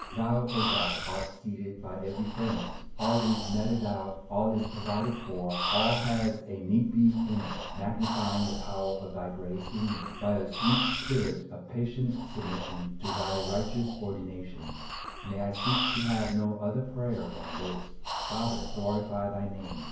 Thou, O God, art seated by every furnace; all is meted out, all is provided for; all has a "need be" in it! Magnify the power of Thy grace in me, by a sweet spirit of patient submission to Thy righteous ordinations. May I seek to have no other prayer than this, "Father, glorify Thy name."